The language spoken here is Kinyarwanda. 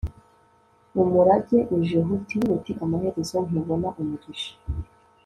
umurage uje huti huti amaherezo ntubona umugisha